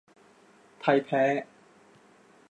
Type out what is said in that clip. ไทยแพ้